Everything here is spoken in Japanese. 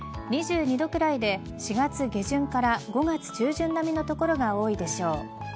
２２度くらいで４月下旬から５月中旬並みの所が多いでしょう。